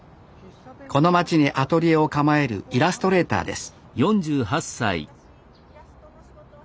この街にアトリエを構えるイラストレーターです